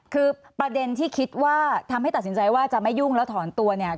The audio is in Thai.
คือประเด็นที่คิดว่าทำให้ตัดสินใจว่าจะไม่ยุ่งแล้วถอนตัวเนี่ย